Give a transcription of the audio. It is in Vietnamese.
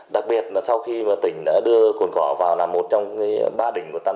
đặc biệt là sau khi tỉnh đã đưa cồn cỏ vào là một trong ba đỉnh của tàu